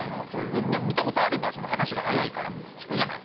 見たことあれば話が早いから聞くじゃないですか。